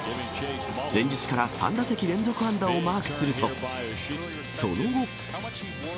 前日から３打席連続安打をマークすると、その後。